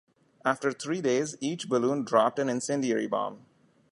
After three days, each balloon dropped an incendiary bomb.